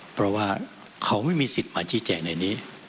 เพราะว่าเขาไม่มีสิทธิ์มาชี้แจงในนี้